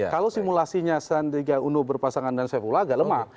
kalau simulasinya sandhika undo berpasangan dan saifullah agak lemah